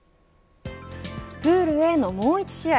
プールＡのもう１試合